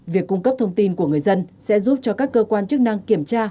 việc cung cấp thông tin của người dân sẽ giúp cho các cơ quan chức năng kiểm tra